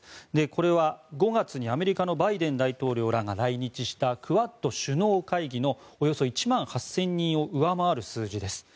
これは５月にアメリカのバイデン大統領らが来日したクアッド首脳会議のおよそ１万８０００人を上回る数字です。